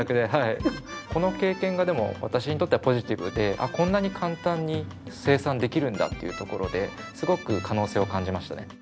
この経験がでも私にとってはポジティブでこんなに簡単に生産できるんだっていうところですごく可能性を感じましたね。